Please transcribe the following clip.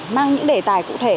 mang những đề tài cụ thể